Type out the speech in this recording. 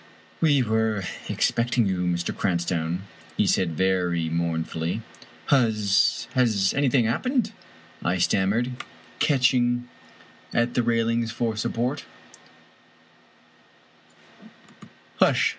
" We were expecting you, Mr. Cranstoun," he said, very mournfully. "Has — ^has anything — ^happened?" I stammered, catch ing at the railings for support " Hush